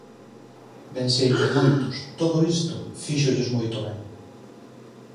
Ben sei que a moitos, todo isto, fíxolles moito ben.